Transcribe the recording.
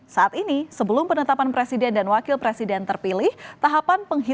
saat ini sebelum penetapan presiden dan wakil presiden terpilih tahapan penghitungan suara memang masih berlangsung